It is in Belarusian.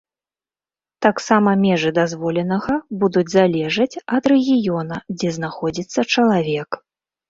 Таксама межы дазволенага будуць залежаць ад рэгіёна, дзе знаходзіцца чалавек.